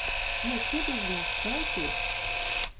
Metidos nos cantos?